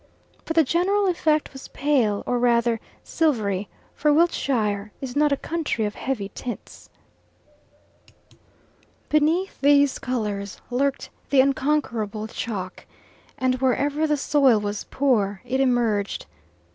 But the general effect was pale, or rather silvery, for Wiltshire is not a county of heavy tints. Beneath these colours lurked the unconquerable chalk, and wherever the soil was poor it emerged.